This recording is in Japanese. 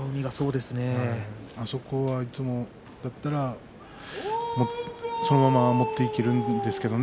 あそこはいつもだったらそのまま持っていけるんですけれどもね。